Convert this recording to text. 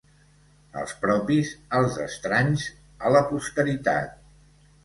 Als propis, als estranys, a la posteritat.